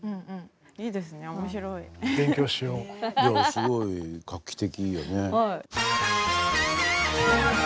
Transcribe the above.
すごい画期的よね。